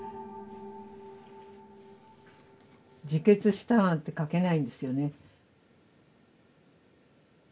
自決したなんて書けないんですよね。